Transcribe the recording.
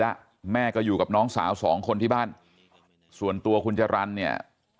แล้วแม่ก็อยู่กับน้องสาวสองคนที่บ้านส่วนตัวคุณจรรย์เนี่ย